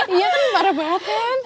iya kan parah banget kan